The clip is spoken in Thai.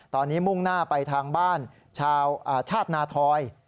ตอนนี้มุ่งหน้าไปทางบ้านชาวชาตินาทอย